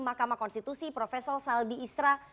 mahkamah konstitusi profesor saldi isra